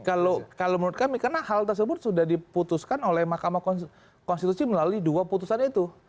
kalau menurut kami karena hal tersebut sudah diputuskan oleh mahkamah konstitusi melalui dua putusan itu